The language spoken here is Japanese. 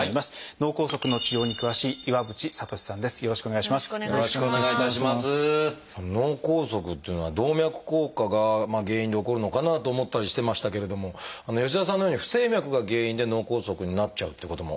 脳梗塞っていうのは動脈硬化が原因で起こるのかなと思ったりしてましたけれども吉澤さんのように不整脈が原因で脳梗塞になっちゃうっていうこともあるんですね。